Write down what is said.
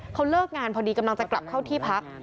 เขาเลิกงานพอดีกำลังจะกลับเข้าที่พัก